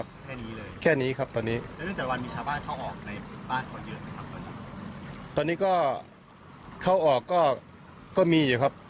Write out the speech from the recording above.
เช่านั้นไปที่บ้านของเรือครับ